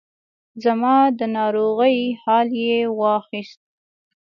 زما د ناروغۍ حال یې واخیست.